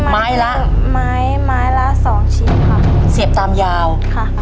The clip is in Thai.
ไม้ละไม้ไม้ละสองชิ้นค่ะเสียบตามยาวค่ะ